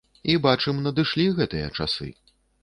І бачым надышлі гэтыя часы.